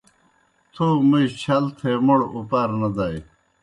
تھو موْجیْ چھل تھے موْڑ اُپار نہ دائے۔